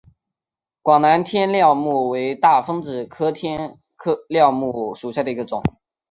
广南天料木为大风子科天料木属下的一个种。